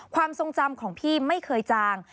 ความทรงจำของพี่ไม่เคยจาง